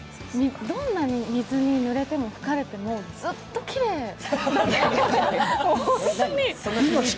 どんなに水にぬれても吹かれても、ずっときれい。